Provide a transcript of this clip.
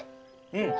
うん！